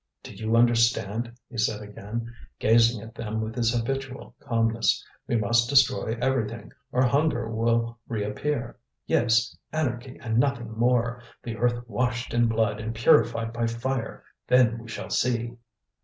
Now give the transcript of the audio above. "Do you understand?" he said again, gazing at them with his habitual calmness; "we must destroy everything, or hunger will reappear. Yes, anarchy and nothing more; the earth washed in blood and purified by fire! Then we shall see!"